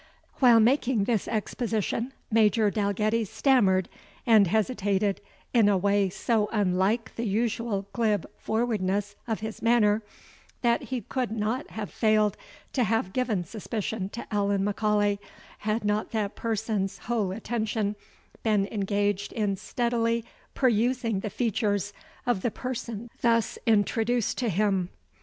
While making this exposition, Major Dalgetty stammered and hesitated in a way so unlike the usual glib forwardness of his manner, that he could not have failed to have given suspicion to Allan M'Aulay, had not that person's whole attention been engaged in steadily perusing the features of the person thus introduced to him.